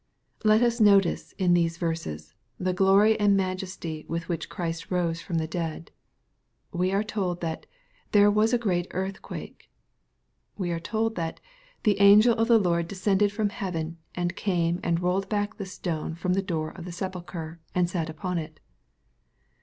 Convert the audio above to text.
Let us notice in theseVerses, the glory and majesty witn which Christ rose from the dead. We are told that " there was a great earthquake/' We are told that " the angel of the Lord descended from heaven, and came and rolled back the stone from the door of the sepulchre, and sat upon it."